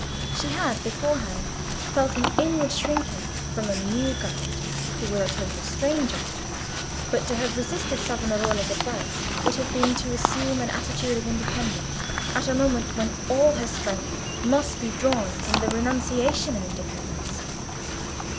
She had beforehand felt an inward shrinking from a new guide who was a total stranger to her: but to have resisted Savonarola's advice would have been to assume an attitude of independence at a moment when all her strength must be drawn from the renunciation of independence.